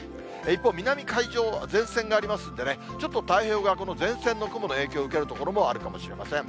一方、南海上、前線がありますんでね、ちょっと太平洋側は雲の影響を受ける所もあるかもしれません。